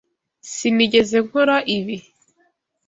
Sinigeze nkora ibi.